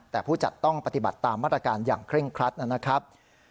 แต่ผู้จัดต้องปฏิบัติตามมาตรการอย่างเคร่งครัดนะครับ